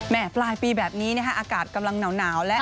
แหมปลายปีแบบนี้นะคะอากาศกำลังหนาวและ